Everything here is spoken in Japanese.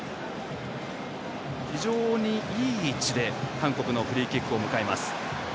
非常にいい位置で韓国のフリーキックを迎えます。